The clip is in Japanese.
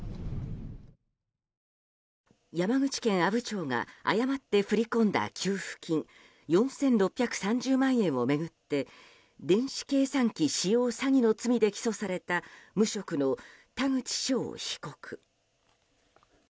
山口県阿武町が誤って振り込んだ給付金４６３０万円を巡って電子計算機使用詐欺の罪で起訴された無職の田口翔被告。